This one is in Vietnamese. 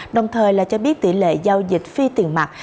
đồng thời là cho biết tỷ lệ giao dịch phi tiền mặt